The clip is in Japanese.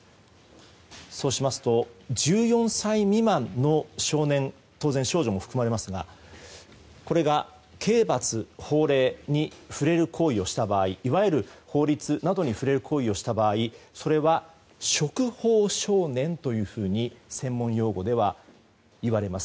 そうしますと、１４歳未満の少年当然、少女も含まれますがこれが、刑罰法令に触れる行為をした場合いわゆる法律などに触れる行為をした場合それは触法少年というふうに専門用語ではいわれます。